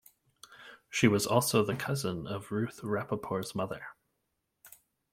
She was also the cousin of Ruth Rappaport's mother.